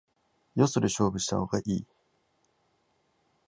よそで勝負した方がいい